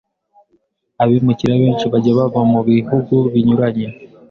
abimukira benshyi bajya bava mu bihugu binyuranye